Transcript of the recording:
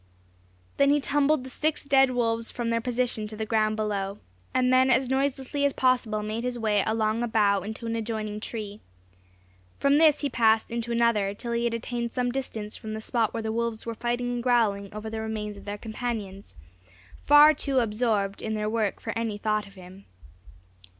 Then he tumbled the six dead wolves from their position to the ground below, and then as noiselessly as possible made his way along a bough into an adjoining tree. From this he passed into another, till he had attained some distance from the spot where the wolves were fighting and growling over the remains of their companions, far too absorbed in their work for any thought of him.